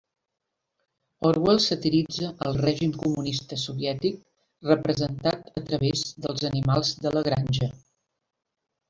Orwell satiritza el règim comunista soviètic representat a través dels animals de la granja.